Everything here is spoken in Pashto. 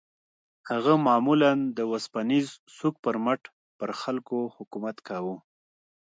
هغه معمولاً د اوسپنيز سوک پر مټ پر خلکو حکومت کاوه.